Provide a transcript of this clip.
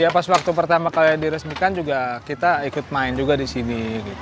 iya pas waktu pertama kali diresmikan juga kita ikut main juga disini